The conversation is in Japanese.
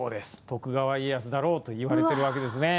徳川家康だろうといわれてるわけですね。